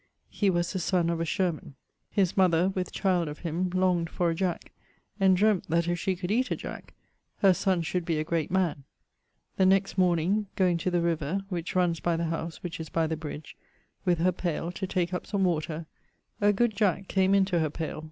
He was the sonne of a sherman. His mother, with child of him, longed for a jack, and dream't that if shee could eate a jack, her son should be a great man. The next morning, goeing to the river, which runs by the howse (which is by the bridge), with her payle, to take up some water, a good jack came into her payle.